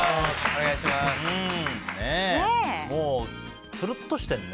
もう、つるっとしてるね。